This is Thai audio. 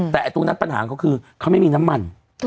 แต่ตรงนั้นปัญหาของเขาคือเขาไม่มีน้ำมัน